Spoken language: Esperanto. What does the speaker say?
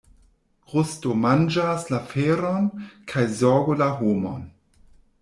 Rusto manĝas la feron, kaj zorgo la homon.